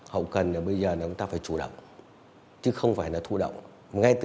hậu cần bây giờ chúng ta phải chủ động chứ không phải thu động